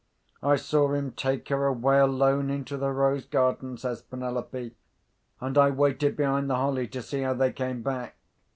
"I saw him take her away alone into the rose garden," says Penelope. "And I waited behind the holly to see how they came back.